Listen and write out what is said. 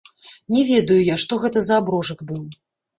Не ведаю я, што гэта за аброжак быў.